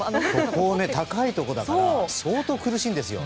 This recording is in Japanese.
標高が高いところだから相当苦しいんですよ。